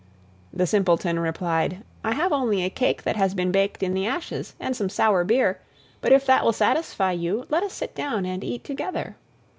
The Simpleton replied: "I have only a cake that has been baked in the ashes, and some sour beer, but if that will satisfy you, let us sit down and eat together."